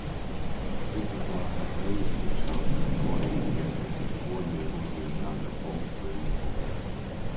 Рэпертуар капэлы ўключаў араторыі, месы, сімфоніі, розныя жанры побытавай музыкі.